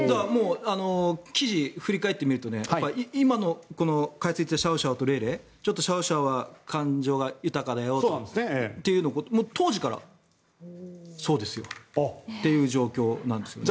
記事、振り返ってみると今の解説したシャオシャオとレイレイちょっとシャオシャオは感情が豊かだよということもう当時からそうですよっていう状況なんですよね。